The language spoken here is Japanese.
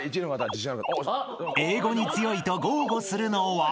［英語に強いと豪語するのは？］